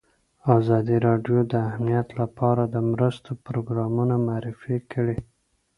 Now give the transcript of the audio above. ازادي راډیو د امنیت لپاره د مرستو پروګرامونه معرفي کړي.